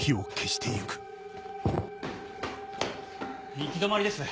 行き止まりです。